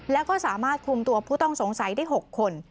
แล้วก็สามารถคุมตัวผู้ต้องสงสัยได้๖คน